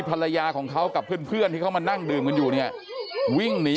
ภรรยาของเขากับเพื่อนที่เขามานั่งดื่มกันอยู่เนี่ยวิ่งหนี